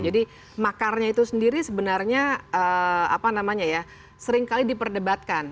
jadi makarnya itu sendiri sebenarnya apa namanya ya seringkali diperdebatkan